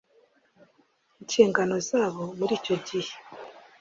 inshingano zabo muri icyo gihe.